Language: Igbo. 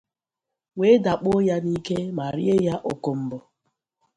wee dakpo ya n'ike ma rie ya ọkọmbọ.